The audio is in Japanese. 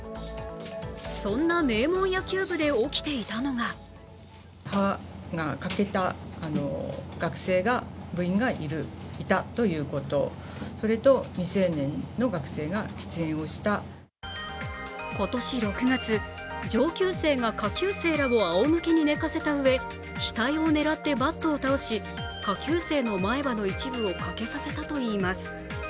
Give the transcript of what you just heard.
そんな名門野球部で起きていたのが今年６月、上級生が下級生らをあおむけに寝かせたうえ、額を狙ってバットを倒し、下級生の前歯を欠けさせたといいます。